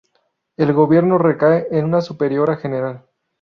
El gobierno recae en una superiora general.